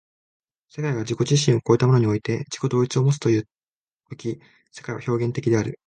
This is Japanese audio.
世界が自己自身を越えたものにおいて自己同一をもつという時世界は表現的である。